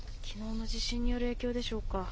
きのうの地震による影響でしょうか。